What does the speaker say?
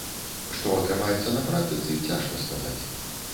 Што атрымаецца на практыцы, цяжка сказаць.